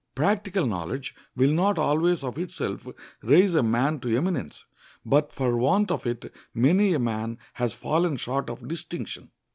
Practical knowledge will not always of itself raise a man to eminence, but for want of it many a man has fallen short of distinction.